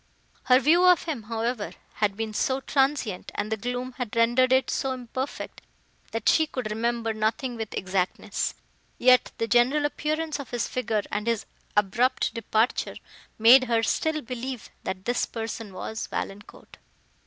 Her view of him, however, had been so transient, and the gloom had rendered it so imperfect, that she could remember nothing with exactness; yet the general appearance of his figure, and his abrupt departure, made her still believe, that this person was Valancourt.